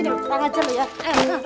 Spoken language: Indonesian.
eh pakaian kulit bosa tuh